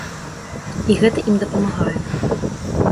І гэта ім дапамагае.